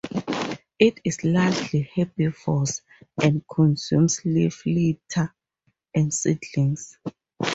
It is largely herbivorous, and consumes leaf litter and seedlings.